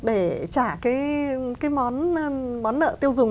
để trả cái món nợ tiêu dùng